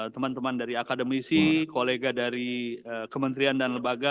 teman teman dari akademisi kolega dari kementerian dan lembaga